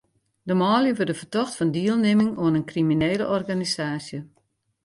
De manlju wurde fertocht fan dielnimming oan in kriminele organisaasje.